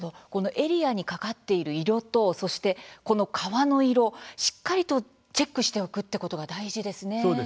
エリアにかかっている色とこの川の色、しっかりとチェックしておくということが大事ですね。